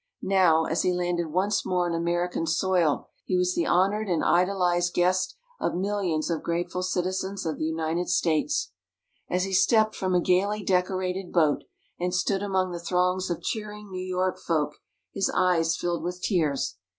Now, as he landed once more on American soil, he was the honoured and idolized guest of millions of grateful citizens of the United States. As he stepped from a gayly decorated boat, and stood among the throngs of cheering New York folk, his eyes filled with tears.